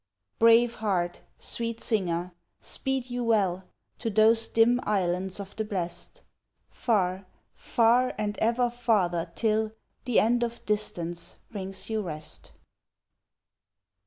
Brave Heart, Sweet Singer! Speed you well To those dim islands of the blest, Far far and ever farther, till The end of distance brings you rest!